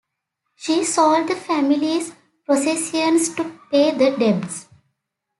She sold the family's possessions to pay the debts.